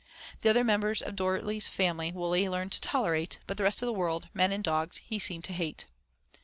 The other members of Dorley's family Wully learned to tolerate, but the rest of the world, men and dogs, he seemed to hate.